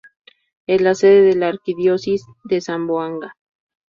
Es la sede de la Arquidiócesis de Zamboanga.